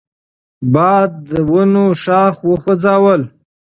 باد د ونو شاخه وخوځوله.